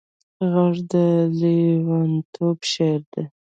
غږ د لېونتوب شعر دی